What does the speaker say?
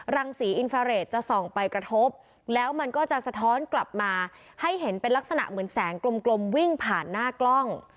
รังสีอินฟาเรทจะส่องไปกระทบแล้วมันก็จะสะท้อนกลับมาให้เห็นเป็นลักษณะเหมือนแสงกลมวิ่งผ่านหน้ากล้อง